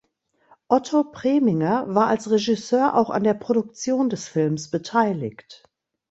Otto Preminger war als Regisseur auch an der Produktion des Films beteiligt.